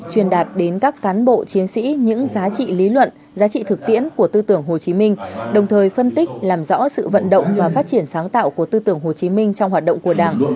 truyền đạt đến các cán bộ chiến sĩ những giá trị lý luận giá trị thực tiễn của tư tưởng hồ chí minh đồng thời phân tích làm rõ sự vận động và phát triển sáng tạo của tư tưởng hồ chí minh trong hoạt động của đảng